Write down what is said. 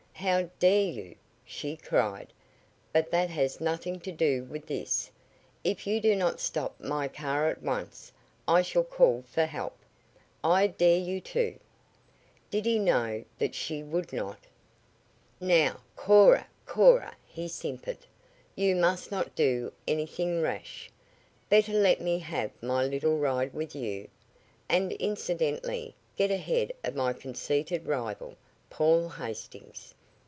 "How dare you!" she cried. "But that has nothing to do with this. If you do not stop my car at once I shall call for help!" "I dare you to!" Did he know that she would not? "Now, Cora, Cora," he simpered. "You must not do anything rash. Better let me have my little ride with you, and incidentally get ahead of my conceited rival, Paul Hastings.